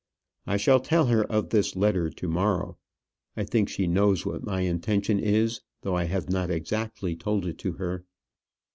I shall tell her of this letter to morrow. I think she knows what my intention is, though I have not exactly told it to her.